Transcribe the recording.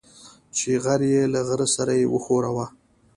چې غر يې له غره سره وښوراوه.